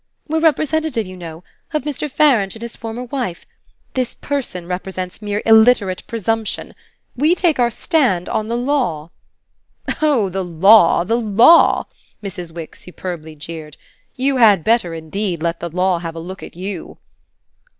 "We're representative, you know, of Mr. Farange and his former wife. This person represents mere illiterate presumption. We take our stand on the law." "Oh the law, the law!" Mrs. Wix superbly jeered. "You had better indeed let the law have a look at you!"